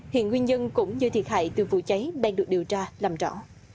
hiện nguyên nhân cũng như thiệt hại từ vụ cháy đang được điều tra làm rõ